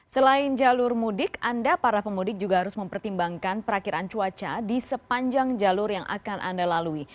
selain jalur mudik anda para pemudik juga harus mempertimbangkan perakhiran cuaca di sepanjang jalur yang akan anda lalui